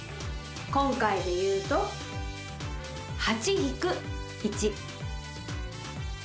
今回でいうと８引く１。